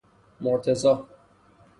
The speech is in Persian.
مرتضی